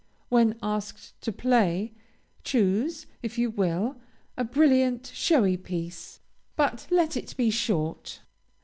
When asked to play, choose, if you will, a brilliant, showy piece, but let it be short.